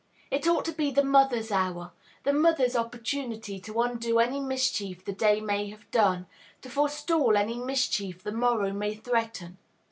It ought to be the mother's hour; the mother's opportunity to undo any mischief the day may have done, to forestall any mischief the morrow may threaten.